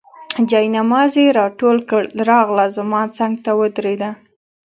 جاینماز یې راټول کړ، راغله زما څنګ ته ودرېده.